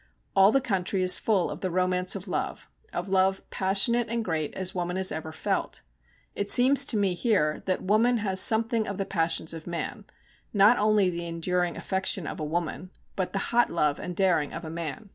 All the country is full of the romance of love of love passionate and great as woman has ever felt. It seems to me here that woman has something of the passions of man, not only the enduring affection of a woman, but the hot love and daring of a man.